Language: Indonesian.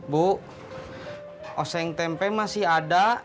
bu oseng tempe masih ada